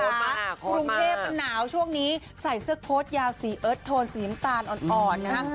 รุงเทพนาวช่วงนี้ใส่เสื้อโปรดยาวสีเอิร์ดโทนสีหิมตาลอ่อนนะคะ